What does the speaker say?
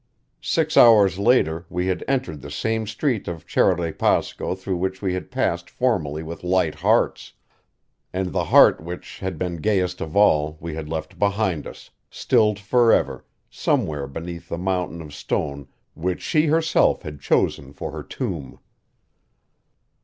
Six hours later we had entered the same street of Cerro de Pasco through which we had passed formerly with light hearts; and the heart which had been gayest of all we had left behind us, stilled forever, somewhere beneath the mountain of stone which she had herself chosen for her tomb.